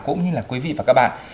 cũng như là quý vị và các bạn